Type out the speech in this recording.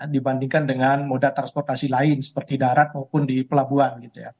dibandingkan dengan moda transportasi lain seperti darat maupun di pelabuhan gitu ya